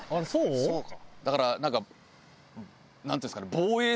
だからなんかなんていうんですかね？